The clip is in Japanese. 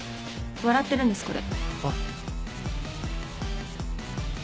笑ってるんですこれ。